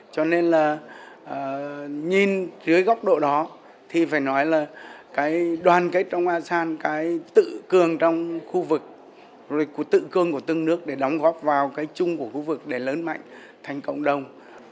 cho nên là nhìn dưới góc độ đó thì phải nói là cái đoàn kết trong asean cái tự cường trong khu vực tự cường của tương nước để đóng góp vào cái chung của khu vực để lớn mạnh thành cộng đồng